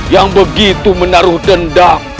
yang begitu menaruh dendam